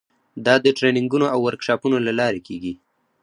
دا د ټریننګونو او ورکشاپونو له لارې کیږي.